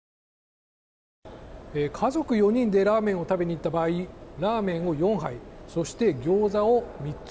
家族４人でラーメンを食べに行った場合ラーメンを４杯そしてギョーザを３つ。